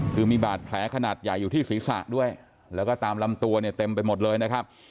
คือมีบาดแผลขนาดใหญ่อยู่ที่ศีรษะด้วยแล้วก็ตามลำตัวเนี่ยเต็มไปหมดเลยนะครับ